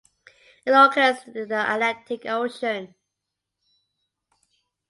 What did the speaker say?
It occurs in the Atlantic Ocean.